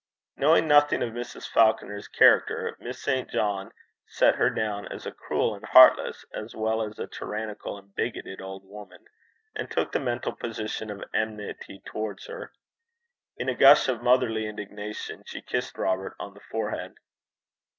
Knowing nothing of Mrs. Falconer's character, Miss St. John set her down as a cruel and heartless as well as tyrannical and bigoted old woman, and took the mental position of enmity towards her. In a gush of motherly indignation she kissed Robert on the forehead.